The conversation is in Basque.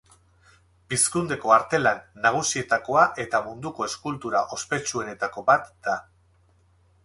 Pizkundeko artelan nagusietakoa eta munduko eskultura ospetsuenetako bat da.